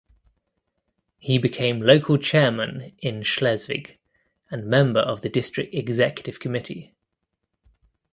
He became local chairman in Schleswig and member of the district executive committee.